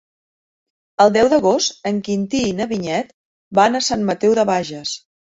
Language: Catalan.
El deu d'agost en Quintí i na Vinyet van a Sant Mateu de Bages.